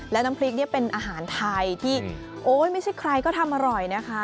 แล้วน้ำพริกเนี่ยเป็นอาหารไทยที่โอ๊ยไม่ใช่ใครก็ทำอร่อยนะคะ